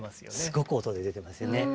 すごく音で出てますよね。